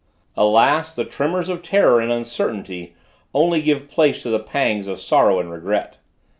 Alas? the tremors of terror and uncertainty only gave place to the pangs of sorrow and regret.